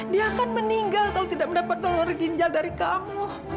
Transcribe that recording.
dia akan meninggal kalau tidak mendapat donor ginjal dari kamu